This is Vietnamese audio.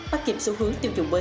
bắt kịp số hướng tiêu dùng mới